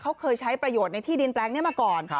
เค้าเคยใช้ประโยชน์ที่ดินแปลงมาก่อน